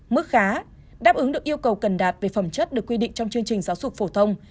mức khá đáp ứng được yêu cầu cần đạt về phẩm chất được quy định trong chương trình giáo dục phổ thông